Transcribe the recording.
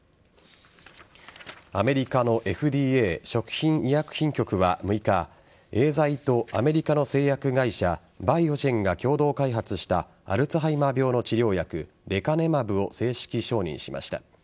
アメリカのＦＤＡ＝食品医薬品局は６日エーザイとアメリカの製薬会社バイオジェンが共同開発したアルツハイマー病の治療薬レカネマブを正式承認しました。